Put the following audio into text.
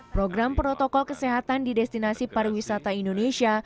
program protokol kesehatan di destinasi pariwisata indonesia